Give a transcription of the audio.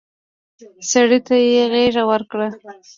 سړي ته يې غېږ ورکړه.